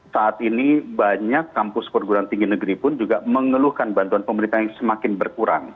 saat ini banyak kampus perguruan tinggi negeri pun juga mengeluhkan bantuan pemerintah yang semakin berkurang